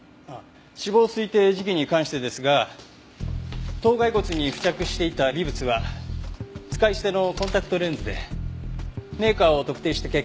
死亡推定時期に関してですが頭蓋骨に付着していた微物は使い捨てのコンタクトレンズでメーカーを特定した結果